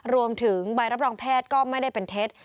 รวมถึงใบรับรองแพทย์ก็ไม่ได้เป็นเท็จ